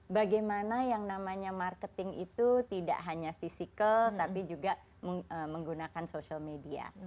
bagaimana yang namanya marketing itu tidak hanya fisikal tapi juga menggunakan social media